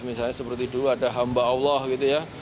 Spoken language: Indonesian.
misalnya seperti dulu ada hamba allah gitu ya